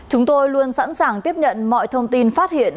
chúng tôi luôn sẵn sàng tiếp nhận mọi thông tin phát hiện